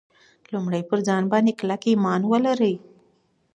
لومړی پر خپل ځان باندې کلک ایمان ولرئ